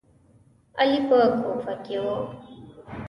علي په کوفه کې و.